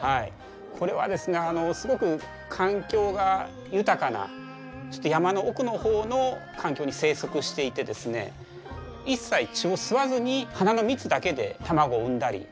これはですねすごく環境が豊かな山の奥の方の環境に生息していてですね一切血を吸わずに花の蜜だけで卵を産んだりしてるんですね。